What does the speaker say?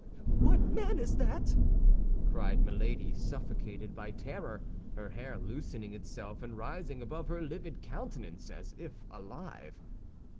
What man is that?" cried Milady, suffocated by terror, her hair loosening itself, and rising above her livid countenance as if alive.